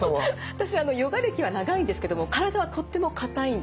私ヨガ歴は長いんですけども体はとっても硬いんです。